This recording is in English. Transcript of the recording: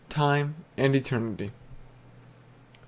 TIME AND ETERNITY. I.